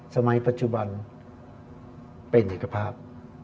สมัยปัจจุบันเป็นเอกภาพ